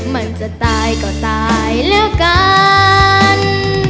มันจะตายก็ตายแล้วกัน